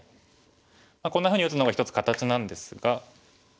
こんなふうに打つのが一つ形なんですが。